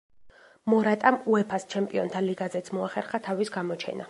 მორატამ უეფა-ს ჩემპიონთა ლიგაზეც მოახერხა თავის გამოჩენა.